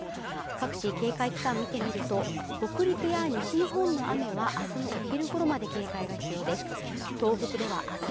各地警戒期間見てみると北陸や西日本の雨は明日のお昼ごろまで警戒が必要です